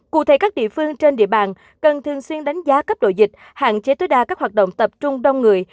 cụ thể các địa phương trên địa bàn cần thường xuyên đánh giá cấp độ dịch hạn chế tối đa các hoạt động tập trung đông người